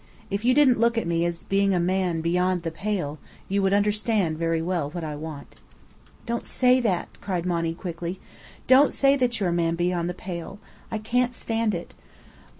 If you didn't look at me as being a man beyond the pale, you would understand very well what I want." "Don't say that!" cried Monny, quickly. "Don't say that you're a man beyond the pale. I can't stand it. Oh!